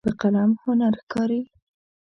په قلم هنر ښکاري.